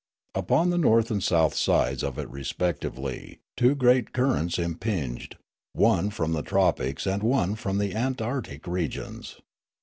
Upon the north and south sides of it respectively two great currents impinged, one from the tropics and one from the antarctic regions.